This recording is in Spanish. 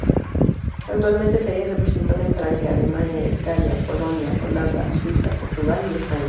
Actualmente se halla representada en Francia, Alemania, Italia, Polonia, Holanda, Suiza, Portugal y España.